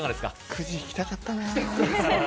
くじ引きたかったな。